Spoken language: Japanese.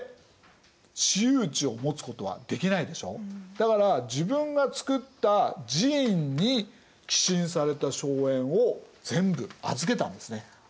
だから自分が造った寺院に寄進された荘園を全部預けたんですね。